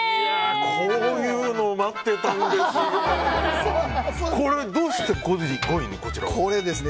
こういうの待ってたんですよ。